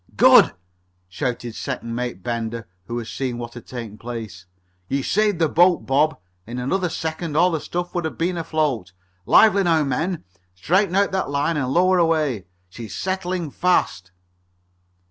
"Good!" shouted Second Mate Bender, who had seen what had taken place. "You saved the boat, Bob. In another second all the stuff would have been afloat. Lively now, men. Straighten out that line and lower away. She's settling fast."